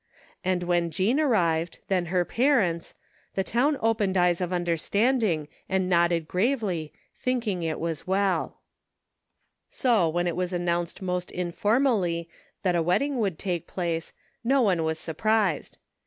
And when Jean arrived, then her parents, the town opened eyes of un derstanding and nodded gravely, thinking it was well So when it was announced most informally that a wedding would take place no one was surprised.